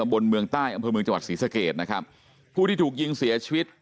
บนเมืองใต้อำเภอเมืองจังหวัดศรีสะเกดนะครับผู้ที่ถูกยิงเสียชีวิต